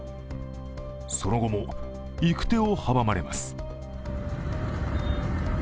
その後も行く手を阻まれます。